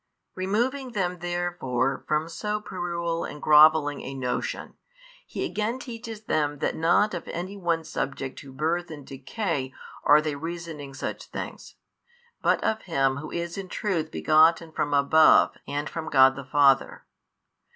Removing them therefore from so puerile and grovelling a notion, He again teaches them that not of any one subject to birth and decay are they reasoning such things, but of Him Who is in truth begotten from above and from God the Father.